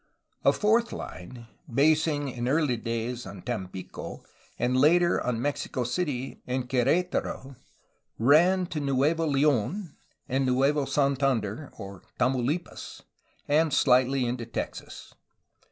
A fourth line, basing in early days on Tampico, and, later, on Mexico City and Quer^taro, ran to Nuevo Le6n and Nuevo Santander (Tamaulipas), and slightly into Texas.